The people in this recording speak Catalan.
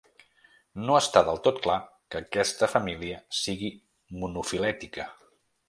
No està del tot clar que aquesta família sigui monofilètica.